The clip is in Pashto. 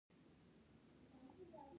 ایا زه باید چتني وخورم؟